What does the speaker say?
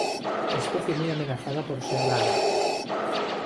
Especie muy amenazada por ser rara.